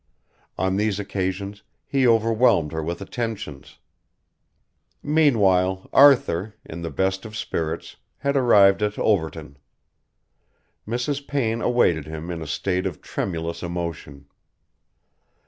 On these occasions he overwhelmed her with attentions. Meanwhile Arthur, in the best of spirits, had arrived at Overton. Mrs. Payne awaited him in a state of tremulous emotion.